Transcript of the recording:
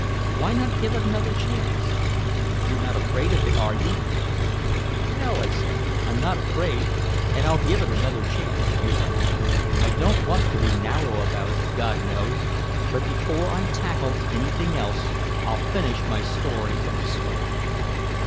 Why not give it another chance? You're not afraid of it, are you?" "No," I said, "I'm not afraid and I'll give it another chance if you like I don't want to be narrow about it, God knows. But before I tackle anything else I'll finish my story of the strike."